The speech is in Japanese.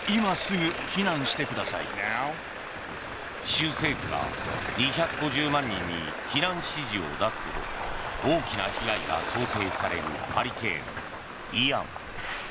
州政府が２５０万人に避難指示を出すほど大きな被害が想定されるハリケーン、イアン。